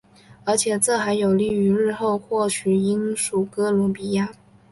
而且这还有利于日后获取英属哥伦比亚。